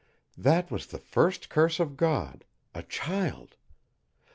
"That was the first curse of God a child!